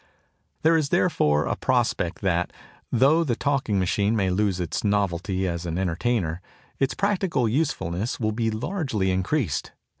There is therefore a prospect that, though the talking machine may lose its novelty as an entertainer, its practical usefulness will be largely increased.